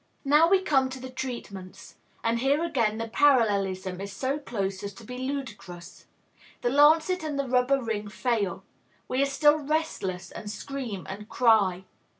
Now we come to the treatments; and here again the parallelism is so close as to be ludicrous. The lancet and the rubber ring fail. We are still restless, and scream and cry.